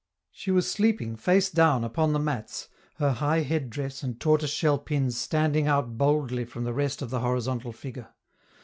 She was sleeping, face down, upon the mats, her high headdress and tortoise shell pins standing out boldly from the rest of the horizontal figure.